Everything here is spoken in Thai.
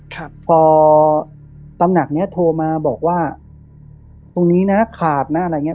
ครับพอตำหนักเนี้ยโทรมาบอกว่าตรงนี้นะขาดนะอะไรอย่างเง